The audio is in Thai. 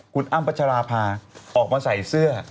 คุณอ้ำพัชราภาออกมาใส่เสื้อ